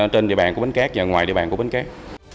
trên địa bàn của bến két và ngoài địa bàn của bến két